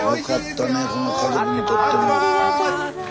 この家族にとっても。